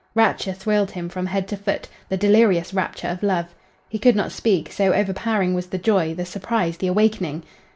Rapture thrilled him from head to foot, the delirious rapture of love. He could not speak, so overpowering was the joy, the surprise, the awakening.